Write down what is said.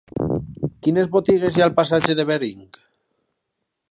Quines botigues hi ha al passatge de Bering?